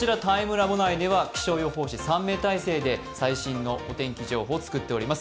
ラボ内では気象予報士３人で最新のお天気情報を作っております。